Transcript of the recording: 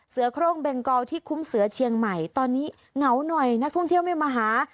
โครงเบงกอลที่คุ้มเสือเชียงใหม่ตอนนี้เหงาหน่อยนักท่องเที่ยวไม่มาหา